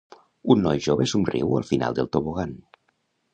Un noi jove somriu al final del tobogan.